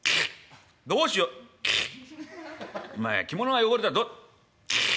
どうしようお前着物が汚れたらど。